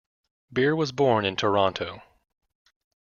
Beer was born in Toronto.